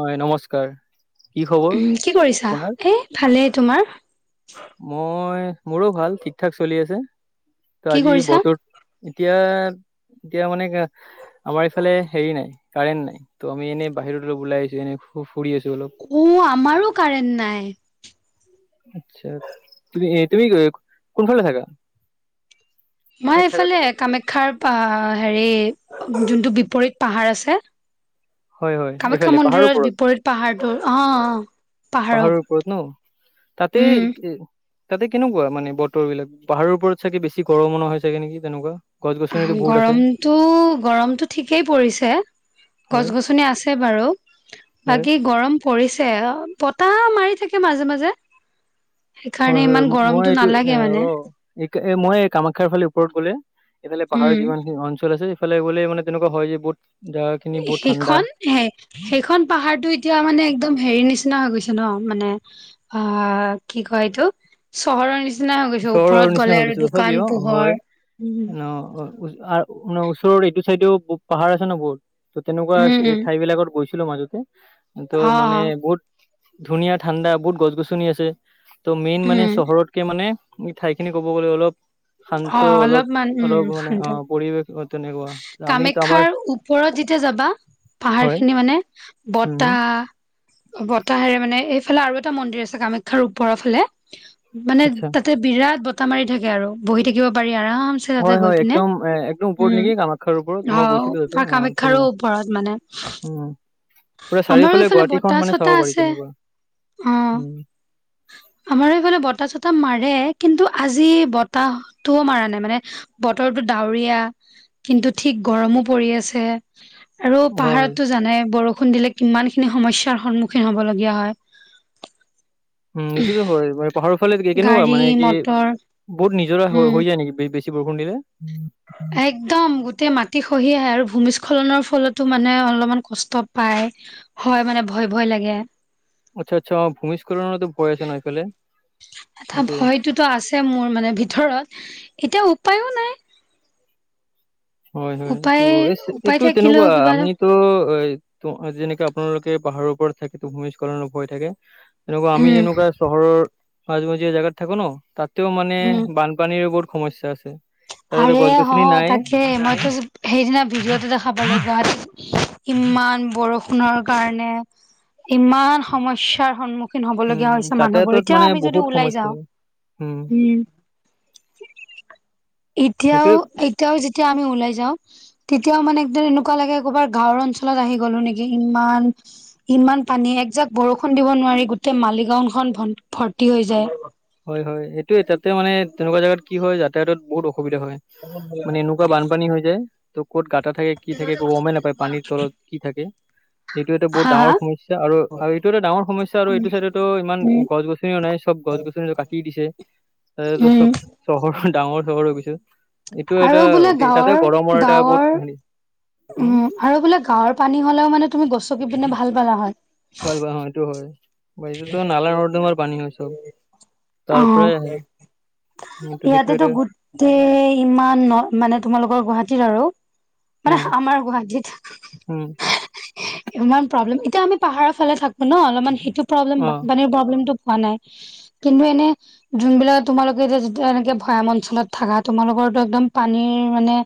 হয় নমস্কাৰ কি খবৰ কি কৰিছা আপোনাৰ? এই ভালেই তোমাৰ মই মোৰো ভাল ঠিক ঠাক চলি আছে তো কি আজি কৰিছা? বতৰ এতিয়া এতিয়া মানে আমাৰ ইফালে হেৰি নাই কাৰেণ্ট নাই তো আমি এনে বাহিৰত অলপ ওলাই আছো এনেই ফুৰি আছো অলপ অ' আমাৰো কাৰেণ্ট নাই আচ্ছা তুমি তুমি কোনফালে থাকা মই ঠাইত থাকা এইফালে তুমি? কামাখ্যাৰ হেৰি যোনটো বিপৰীত পাহাৰ আছে হয় হয় কামাখ্যা এইফালে পাহাৰৰ মন্দিৰৰ ওপৰত বিপৰীত পাহাৰটোৰ অ' পাহাৰৰ ওপৰত ন তাতে তাতে কেনেকুৱা মানে বতৰ বিলাক পাহাৰৰ ওপৰত চাগে বেছি গৰম মনা হৈাগ নেকি তেনেকুৱা গছ গছনিতো বহুত আছে গৰমতটো গৰমতটো ঠিকেই পৰিছে। হয় গছ-গছনি আছে বাৰু হয়। বাকী গৰম পৰিছে বতাহ মাৰি থাকে মাজে, মাজে। হয় সেইকাৰণে হয় ইমান মই গৰমটো এইটো এ নালাগে মানে। অ মই এই কামাখ্যা ফালে ওপৰত গ'লে, সেইফালে পাহাৰত উম। যিমান খিনি অঞ্চল আছে। ফালে এইলে মানে তেনেকুৱা হয় যে বহুত যে সেইখন। সেইখন পাহাৰ এতিয়া হেৰি নিচিনা হৈ গৈছে ন, মানে অ', কি কয় এইটো চহৰৰ নিচিনা। হৈ গৈছে চহৰৰ ওপৰত নিচিনা গ'লে হৈ আৰু গৈছে দোকান তথাপিও অ', পোহৰ হয়। উম মানাৰ ওচৰৰ এইটো চাইডেও পাহাৰ আছে ন বহুত ত তেনেকুৱা উম উম ঠাই বিলাকত গৈছো। মাজতে তো অ মানে অ বহুত ধুনীয়া ঠাণ্ডা বহুত গছ গছনি আছে। ত' মেইন মানে উম চহৰতকে মানে ঠাইখিনি ক'ব গ'লে অলপ। শান্ত অ অলপ, অলপমান উম অলপ মানে শান্ত অ পৰিৱেশ তেনেকুৱা। আমি তো আমাৰ কামাখ্যাৰ ওপৰত যেতিয়া যাবা পাহাৰ হয় খিনি মানে উম বতাহ। বতাহেৰে মানে এইফালে আৰু এটা মন্দিৰ আছে কামাখ্যাৰ ওপৰৰ ফালে। মানে আচ্ছা তাতে বিৰাট বতাহ মাৰি থাকে আৰু বহি থাকিব পাৰি আৰাম। হয়, হয় একদম, একদম। ওপৰত নেকি কামাখ্যাৰ ওপৰত অ মই গৈছিলো তাতে অ', কামাখ্যাৰো ধুনীয়া ওপৰত মানে উম। পুৰা আমাৰো চাৰিওফালে এইফালে গুৱাহাটীখন বতাহ মানে। চতাহ আছে আমাৰ এইফালে বতাহ চতাহ মাৰে কিন্তু আজি বতাহটোও মাৰ নাই মানে। বতৰটো ডাৱৰীয়া কিন্তু ঠিক গৰমো পৰি আছে। আৰু হয়। পাহাৰত টো জানে বৰষুণ। বৰষুণ দিলে কিমান খিনি সমস্যাৰ সন্মুখীন হ'বলগীয়া হয়। উম, এইটোতো হয় পাহাৰৰ ফালে কেনেকুৱা গাড়ী মানে কি মটৰ বহুত নিজৰা হৈ উম যায় নে বেছি। বেছি বৰষুণ দিলে। একদম গোটেই মাটি খহি আহে আৰু মানে ভূমিস্খলন ৰ ফলতো মানে অলপ মান কষ্ট পাই। হয়, মানে ভয়, ভয় লাগে। আচ্ছা, আচ্ছা ভূমিস্খলনৰতো ভয় আছে ন এইফালে। তটো আছে মোৰ মানে ভিতৰত এতিয়া উপায়ো নাই। হয়, হয় এইটো, উপায় উপায় এইটো থাকিলেও তেনেকুৱা কিবা আমি ত' যেনেকে আপোনালোকে পাহাৰৰ ওপৰত থাকে ভূমিস্খলন অ', ভয় থাকে। তেনেকুৱা আমি উম যেনেকুৱা চহৰৰ মাজ মাজিয় জেগগাত থাকো ন তাত। ও মানে উম বানপানীৰো বহুত সমস্যা আছে। তাতেতো আৰে গছ হ গছনি নাই তাকে মইতো। সেইদিনা ভিডিঅ'টো দেখা পালো গাত ইমান বৰষুণৰ কাৰণে। ইমান সমস্যাৰ সন্মুখীন। সিন হ'ব উম লগগীয়া হৈছে মানুহবোৰ যাতায়াতত এতিয়াও মানে আমি যদি বহুত ওলাই সমস্যা যাওঁ, হয় উম। এতিয়াও, সেইটোৱে এতিয়াও যেতিয়া আমি ওলাই যাওঁ। তেতিয়াও মানে একদম এনেকুৱা লাগে ক'ৰবাৰ গাঁৱৰ অঞ্চলত আহি গলো নেকি ইমান। ইমান পানী একজাক বৰষুণ দিব নোৱাৰি গোটেই মালিগওনখনন ভৰ্তি হৈ যায়। হয়, হয় এইটোয় এ তাতে মানে তেনেকুৱা জোগাত কি হয় যাতায়াতত বহুত অসুবিধা হয়। মানে এনেকুৱা বানপানী হৈ যায়। ত' ক'ত গাটা থাকে কি থাকে গমেই নাপায় পানীৰ তলত কি থাকে। এইটো এটা বহুত হা ডাঙৰ হা সমস্যয়া আৰু এইটো এটা ডাঙৰ সমস্যা আৰু এইটো চাইডতো ইমান উম গছ-গছনি। সেই কাৰণে নাই চব গছ গছনি কাটি দিছে তাৰতো উম চ'ব চহৰ ডাঙৰ চহৰ হৈ গৈছ। এইটো আৰু এটা বোলে গাঁৱৰ তাতে গৰমৰ এটা গাঁৱৰ বহুত হেৰি। উম, আৰু বুলে গাওঁৰ পানী হলেওঁ তুমি মানে গচকি পিনে ভাল পালা হয়। ভাল ব হয় এইটো হয়। বা এইটোতো নালা নৰ্দমাৰ পানী হৈছে, অ তাৰপৰাই আহে। টো, সেইটোৱে টো। দেই ইমান ন' মানে তোমালোকৰ গুৱাহাটীত আৰু। মানে উম আমাৰ উম গুৱাহাটীত ইমান প্ৰব্লেম এতিয়া আমি পাহাৰৰ ফালে থাকো ন অলপমান সেইটো প্ৰব্লেম অ বানপানীৰ প্ৰব্লেমটো পোৱা নাই। কিন্তু এনে যোনবিলাক তোমালোকে এতিয়া যেতিয়া এনেকে ভৈয়াম অঞ্চলত থাকা তোমালোকৰো একদম পানীৰ মানে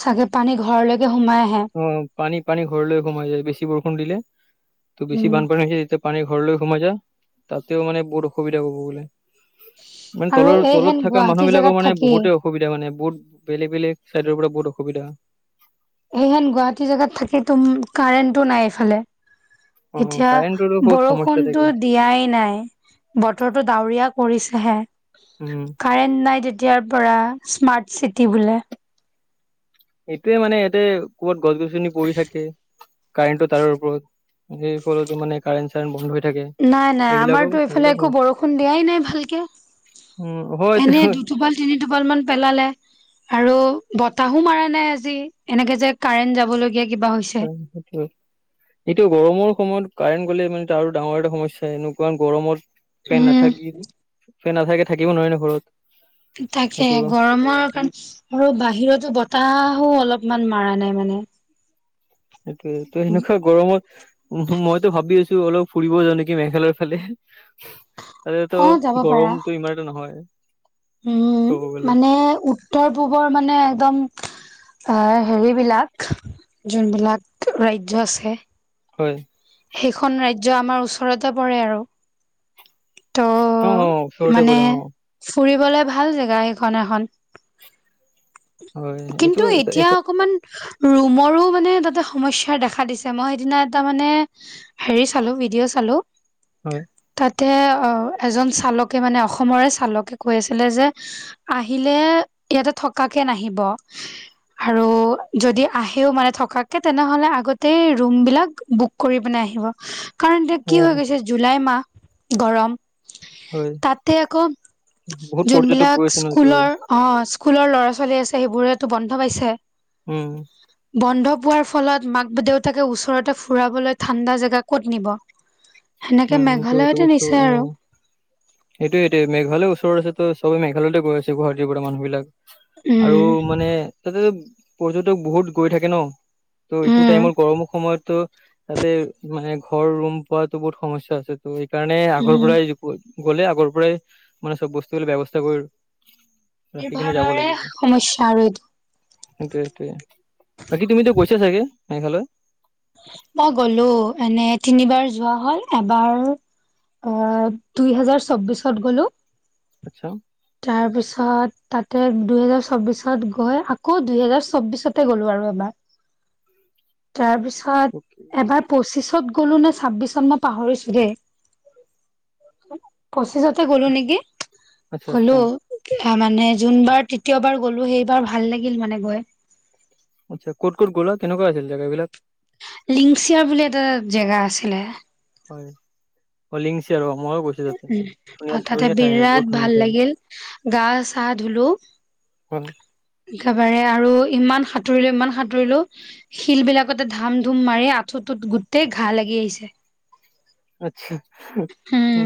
চাগে পানী ঘৰলৈকে সোমাই আহে। অ, পানী, পানী ঘৰলৈ সোমাই যায় বেছি বৰষুণ দিলে ত' বেছি উম বানপানী হৈছে তেতিয়া পানী ঘৰলৈ সোমাই যা তাতেও মানে বহুত অসুবিধা হ'ব বোলে। মানে আৰু তলৰ, এই তলত হেন থকা মানুহ গুৱাহাটী জেগাত বিলাকৰ মানে থাকি বহুতেও অসুবিধা মানে বহুত বেলেগ, বেলেগ চাইডৰ পৰা বহুত অসুবিধা সেনেহেন গুৱাহাটী জেগাত থাকে তো কাৰেণ্টটো নাই এইফালে। অ এতিয়া কাৰেণ্টৰো বহুত সমস্যা থাকে বৰষুণতো দিয়াই নাই। বতৰটো ডাৱৰীয়া কৰিছেহে। উম। কাৰেণ্ট নাই তেতিয়াৰ পৰা স্মাৰ্ট চিটি বোলে। এইটোৱে মানে ইয়াতে ক'বাত গছ-গছনি পৰি থাকে। কাৰেণ্টটো তাৰৰ ওপৰত সেই ফলতো মানে কাৰেণ্ট, চাৰেণ্ট বন্ধ হৈ থাকে নাই নাই এইবিলাকো, আমাৰতো এইফালে এইবিলাক একো বৰষুণ দিয়াই নাই ভালকে উম, হয় তে এনে দুটোপাল তিনি টোপাল মান পেলালে। আৰু বতাহো মাৰা নাই আজি এনেকে যে কাৰেন্ট যাবলগীয়া কিবা হৈছে উম, সেইটো। এইটো গৰমৰ সময়ত কাৰেণ্ট গ'লে মানে ত, আৰু ডাঙৰ এটা সমস্যা এনেকুৱা গৰমত। ফেন উম নাথাকি, ফেন নাথাকে থাকিব নোৱাৰি ন ঘৰত। তাকে সেইটো গৰমৰ কাৰণে আৰু বাহিৰতো বতাহো অলপমান মৰা নাই মানে। সেইটোয়ে তো সেনেকুৱা গৰমত উম, মইতো ভাবি আছো অলপ ফুৰিব যান নেকি মেঘালয়ৰ ফালে। তাতে, তো অ যাব পাৰা গৰমতটো ইমানটা নহয়। উম, ক'ব গ'লে মানে উত্তৰ পূৱৰ মানে একদম আহ হেৰিবিলাক যোনবিলাক ৰাজ্য আছে। হয়। সেইখন ৰাজ্য আমাৰ ওচৰতে পৰে আৰু। অ অ ত' ওচৰতে মানে পৰে অ ফুৰিবলে ভাল জেগা সেইখন এখন। হয় এইটো কিন্তু এতিয়া অকমান ৰুমৰো মানে তাতে সমস্যাৰ দেখা দিছে মই সেইদিনা এটা মানে হেৰি চালো, ভিডিঅ' চালো। হয়। তাতে অ, এজন চালকে মানে অসমৰে চালকে কৈ আছিলে যে আহিলে ইয়াতে থকাকে নাহিব আৰু। যদি আহে মানে থকাকে তেনেহলে আগতে ৰুম বিলাক বুক কৰি পিনে আহিব। কাৰণ এতিয়া অ কি হৈ গৈছে জুলাই মাহ গৰম হয় তাতে আকৌ বহুত পৰ্যটক গৈ যোনবিলাক আছে ন এইটো হয় স্কুলৰ অ, স্কুলৰ ল'ৰা-ছোৱালী আছে, সেইবোৰেতটো বন্ধ পাইছে। উম। বন্ধ পোৱাৰ ফলত মাক-দেউতাকে ওচৰতে ফুৰাবলৈ ঠাণ্ডা জেগা ক'ত নিব? সেনেকে উম, সেইটো মেঘালয়তে বস্তু নিছে আৰু উম। সেইটোয়ে এইটো মেঘালয় চৰত আছে চবে মেঘালয়তে গৈছে গুৱাহাটীৰ পৰা মানুহ বিলাক। আৰু উম মানে তাতে পৰ্যটক বহুত গৈ থাকে ন' ত' এইটো উম টাইমত গৰমৰ সময়তো তাতে মানে ঘৰ ৰুম পোৱাতো বহুত সমস্যা আছে। ত সেইকাৰণে আগৰ উম পৰাই গ'লে আগৰ পৰাই মানে চব বস্তুৰ ব্যৱস্থা কৰি ৰাখি কিনে যাব নিৰ্ভাৰণৰে লাগিব সমস্যা আৰু এইটো। সেইটোৱে সেইটোৱে, বাকী তুমি গৈছা চাগে মেঘালয়? মই গ'লো এনে তিনিবাৰ যোৱা হ'ল, এবাৰ অ', দুই হাজাৰ চৌবিশত গ'লো আচ [unintelligible] তাৰ পিছত তাতে দুই হেজাৰ চৌবিশত গৈ আকৌ দুই হেজাৰ চৌবিশত তে গ'লো আৰু এবাৰ। [unintelligible] তাৰ পিছত এবাৰ পঁচিছত গলো নে ছাব্বিছত মই পাহৰিছো দেই। পঁচিছতে গ'লো নেকি! আচ্ছা আচ্ছা গ'লো, মানে যোনবাৰ তৃতীয়বাৰ গ'লো সেইবাৰ ভাল লাগিল মানে গৈ। আচ্ছা, ক'ত ক'ত গ'ল কেনেকুৱা আছিল জেগাবিলাক? লিংচিয়া বুলি এটা জেগা আছিলে হয় অ', লিংচিয়া আৰু ময়ো গৈছোঁ। উ, অ', তাতে বিৰাট ধুনীয়া ভাল ঠাই লাগিল গা চা ধুলো। হল [unintelligible] একেবাৰে আৰু ইমান সাঁতুৰিলো ইমান সাঁতুৰিলো শিল বিলাকতে ধাম ধুম মাৰি আঁঠুটোত গোটেই ঘাঁ লাগি আহিছে। [inaudible] আচ্ছা, উম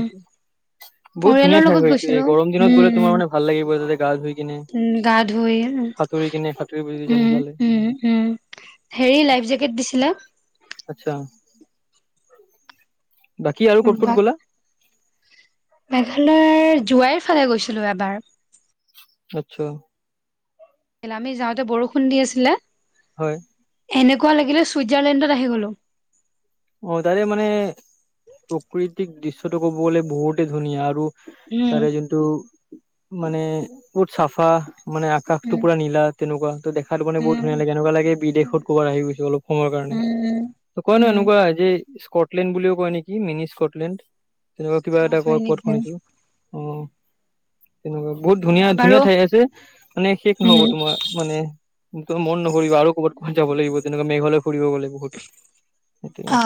বহুত পৰিয়ালৰ ধুনীয়া ঠাই লগত হয় এইটো গৈছিলো উম গৰম দিনত গ'লে তোমাৰ উম মানে ভাল লাগিব তাতে গা ধুই। কিনে উম, গা ধুই সাঁতুৰি কিনে উ, সাঁতুৰিব যদি জানা উম, ভালে উম, উম। হেৰি লাইফ জেকেট দিছিলে। অচ্ছা, বাকি আৰু ক'ত ক'ত গ'লা? মেঘালয় যোৱাইৰ ফালে গৈছিলো এবাৰ। অচ্চা, আচ্ছা। হেনা আমি যাওঁতে বৰষুণ দি আছিলে হয়। এনেকুৱা লাগিলে ছুইজাৰলেণ্ডত আহি গ'লো। অ', তাৰে মানে প্ৰকৃতিক দৃশ্যটো ক'ব গ'লে বহুতে ধুনীয়া আৰু তাৰে উম যোনটো মানে ক'ত চাফা মানে আকাশটো উম পুৰা নীলা তেনেকুৱা। ত' দেখাত মানে বহুত উম ধুনীয়া লাগে, এনেকুৱা লাগে বিদেশত ক'বাত আহি গৈছে অলপ সময়ৰ কাৰণে উম অকমান উম হয় আজি স্কটলেণ্ড বুলিও কয় নেকি মিনি স্কটলেণ্ড। তেনেকুৱা কিবা অ এটা হয় কয় ক'ত নেকি মই শুনিছো, অ' তেনেকুৱা বহুত ধুনীয়া ধুনীয়া বাৰু ঠাই আছে, মানে শেষ নহ'ব উম তোমাৰ। মানে মন নকৰিব আৰু ক'ৰবাত ক'ত যাব লাগিব তেনেকুৱা মেঘালয় ফুৰিব গ'লে লাগিব। সেইটোয়েই। অ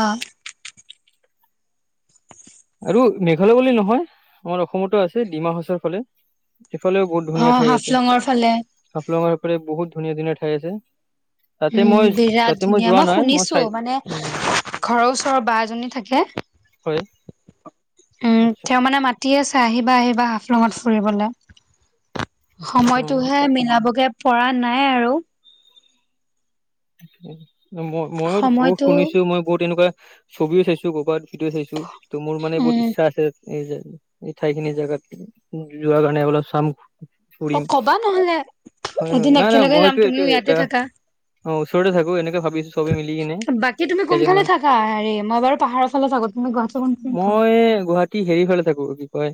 আৰু মেঘালয় বুলি নহয় আমাৰ অসমতো আছে ডিমাহাছাওৰ ফালে। সেফালেও বহুত অ ধুনীয়া ঠাই আছে, হাফলঙৰ ফালে হাফলঙৰফালে বহুত ধুনীয়া ধুনীয়া ঠাই আছে। তাতে উম, মই বিৰাট তাতে ধুনীয়া, যোৱা মই নাই শুনিছো চাই মানে উম ঘৰৰ ওচৰৰ বা এজনী থাকে হয়। উম, আচ্ছা তেওঁ মানে মাতি আছে আহিবা আহিবা হাফলঙত ফুৰিবলে। আচ্ছা অ সময়তোহে মিলাবগে পৰা নাই আৰু। মই ময়ো বহুত সময়তো শুনিছো মই বহুত তেনেকুৱা ছবিও চাইছো। ক'বাত ভিডিঅ' চাইছো, ত' মোৰ মান বহুত উম ইচ্ছা আছে। এই যে এই ঠাইখিনি জেগাত যোৱা কাৰণে অলপ চাম অ ফুৰিম, কবা নহলে হয় হয় এদিন নাই নাই একেলগে যাম মইতো তুমিও এইটোয় ইয়াতে এটা থাকা অ' ওচৰতে থাকো এনেকে ভাবি আছোঁ। বাকী তুমি কোনফালে থাকা হেৰি মই বাৰু পাহাৰৰ ফালে থা, তুমি গুৱাহাটী কোন এ-গুৱাহাট টি হেৰি ফালে থাকো কি কয়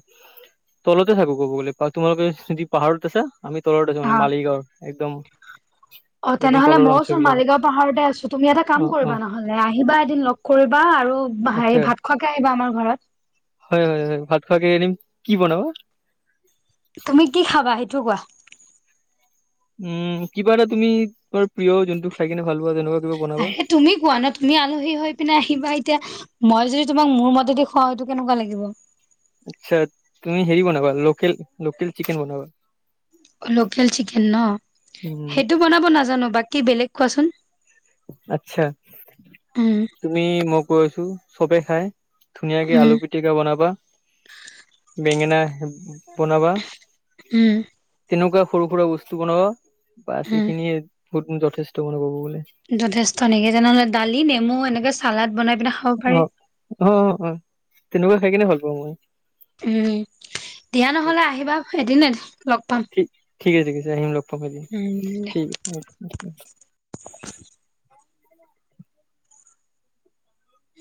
তলতে থাকো ক'ব গলে তোমালোকে যদি পাহাৰত আছা আমি তলত আছো, মানে হা মালিগাঁৱৰ একদম অ' একদম তেনেহলে তলৰ অঞ্চল মইওচোন বিলাক মালিগাঁও পাহাৰতে আছো, তুমি এটা কাম অ অ কৰিবা নহলে আহিবা এদিন লগ কৰিবা আৰু আচ্ছা হেৰি, ভাত খোৱাকে আহিবা আমাৰ ঘৰত। হয়, হয়, হয় ভাত খোৱা কে আনিম কি বনাবা? তুমি কি খাবা, সেইটো কোৱা? উম, কিবা এটা তুমি তোমাৰ প্ৰিয় যোনটো খাই কিনে ভাল পোৱা তেনেকুৱা কিবা বনাবা আৰে, তুমি কোৱা ন তুমি আলহী হৈ পিনে আহিবা এতিয়া মই যদি তোমাক মোৰ মতেদি খুৱাওঁ সেইটো কেনেকুৱা লাগিব। আচ্ছা, তুমি হেৰি বনাবা লোকেল লোকেল চিকেন বনাবা। লোকেল চিকেন ন উম সেইটো বনাব নাজানো বাকী বেলেগ কোৱাচোন। আচ্ছা, উম তুমি মই কৈ আছো চবে খাই। ধুনীয়াকে আলু উম পিটিকা বনাবা, বেঙেনা বনাবা। উম, তেনেকুৱা সৰু-সুৰা বস্তু বনাবা বাছ উম এইখিনিয়ে বহুত যথেষ্ট মন ক'ব গ'লে। যথেষ্ট নেকি তেনেহ'লে দালি, নেমু এনেকে চালাদ বনাই পিনে খাব পাৰি। অ', অ', অ', তেনেকুৱা খাই কেনে ভাল পাওঁ মই। উম, দিয়া নহলে আহিবা এদিন লগ পাম। ঠিক, আছে, ঠিক আছে, আহিম লগ পাম আজি উম দে ঠিক আছে।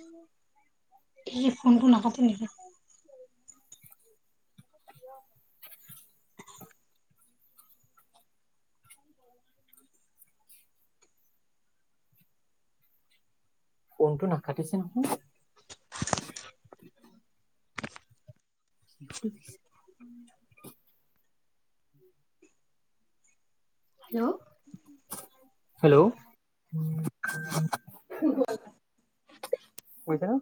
উম' এই ফোনটো নাকাটে নেকি? ফনটো নাকাটিছে নহয়। স [unintelligible] হেল্ল' হেল্ল' কৈছে ন